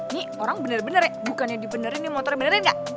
nih orang bener bener ya bukannya dibenerin nih motornya beneran gak